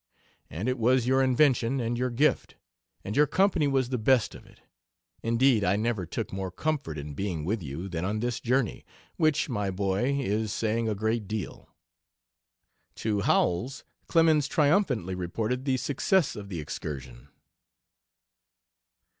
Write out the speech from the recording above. And it was your invention and your gift. And your company was the best of it. Indeed, I never took more comfort in being with you than on this journey, which, my boy, is saying a great deal." To Howells, Clemens triumphantly reported the success of the excursion.